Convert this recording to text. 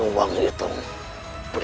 a'a akan datangnya bunda